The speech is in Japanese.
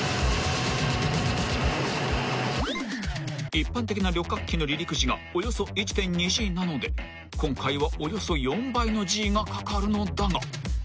［一般的な旅客機の離陸時がおよそ１．２Ｇなので今回はおよそ４倍のＧがかかるのだが］